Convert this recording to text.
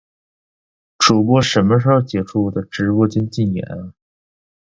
主播什么时候解除我的直播间禁言啊